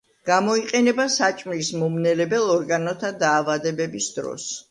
გამოიყენება საჭმლის მომნელებელ ორგანოთა დაავადების დროს.